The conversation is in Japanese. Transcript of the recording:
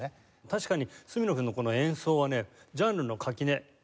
確かに角野君のこの演奏はねジャンルの垣根感じません。